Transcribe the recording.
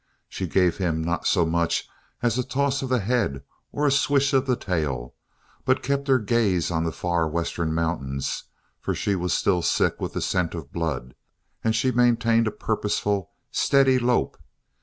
She gave him not so much as a toss of the head or a swish of the tail but kept her gaze on the far Western mountains for she was still sick with the scent of blood; and she maintained a purposeful, steady, lope.